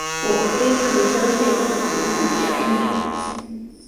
我非常相信統獨是假議題